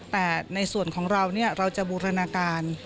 แต่ในส่วนของเราเราจะบูรณาการ